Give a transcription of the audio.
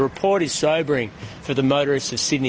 raporan ini menyebabkan motoris sydney